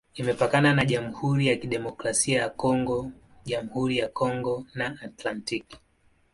Imepakana na Jamhuri ya Kidemokrasia ya Kongo, Jamhuri ya Kongo na Atlantiki.